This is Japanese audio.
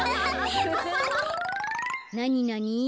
なになに？